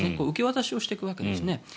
受け渡しをしていくわけです。